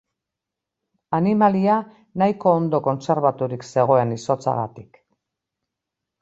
Animalia nahiko ondo kontserbaturik zegoen izotzagatik.